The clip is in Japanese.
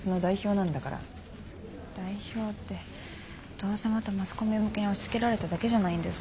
どうせまたマスコミ向けに押し付けられただけじゃないんですか？